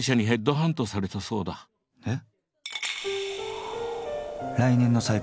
えっ？